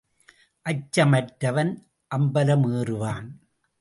அச்சம் அற்றவன் அம்பலம் ஏறுவான்.